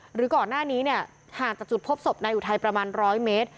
หรือก่อนหน้านี้เนี่ยห่างจากจุดพบศพนายอุทัยประมาณ๑๐๐เมตร